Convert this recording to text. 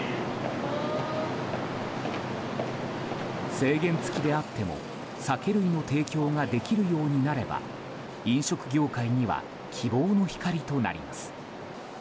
制限付きであっても酒類の提供ができるようになれば飲食業界には希望の光となります。